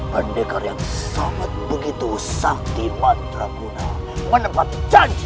bendekar yang sangat begitu sakti mantra guna menempat janji